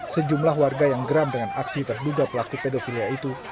sejumlah warga yang geram dengan aksi terduga pelaku pedofilia itu